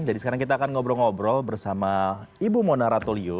jadi sekarang kita akan ngobrol ngobrol bersama ibu mona ratulio